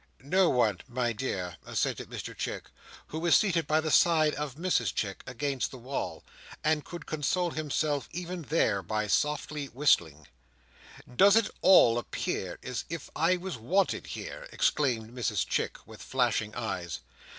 "No one, my dear," assented Mr Chick, who was seated by the side of Mrs Chick against the wall, and could console himself, even there, by softly whistling. "Does it at all appear as if I was wanted here?" exclaimed Mrs Chick, with flashing eyes.